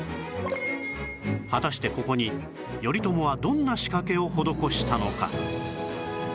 果たしてここに頼朝はどんな仕掛けを施したのか？